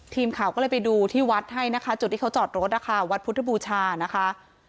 ทีมข่าวก็เลยไปดูที่วัดให้นะคะจุดที่เขาจอดรถนะคะวัดพุทธบูชานะคะ